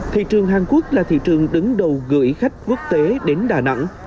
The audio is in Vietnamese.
thị trường hàn quốc là thị trường đứng đầu gửi khách quốc tế đến đà nẵng